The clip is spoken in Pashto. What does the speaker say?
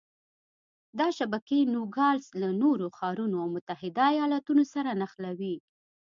دا شبکې نوګالس له نورو ښارونو او متحده ایالتونو سره نښلوي.